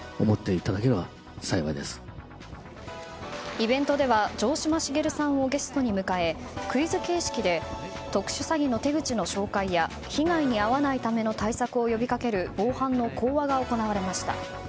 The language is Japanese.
イベントでは城島茂さんをゲストに迎えクイズ形式で特殊詐欺の手口の紹介や被害に遭わないための対策を呼び掛ける防犯の講和が行われました。